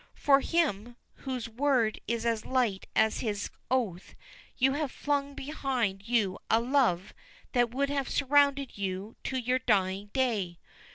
For him, whose word is as light as his oath, you have flung behind you a love that would have surrounded you to your dying day.